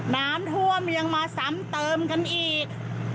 น้ำท่วมยังมาซ้ำเติมกันอีก